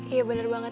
iya bener banget